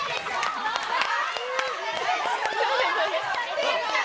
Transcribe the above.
すみません。